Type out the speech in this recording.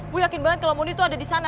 gue yakin banget kalau mondi tuh ada di sana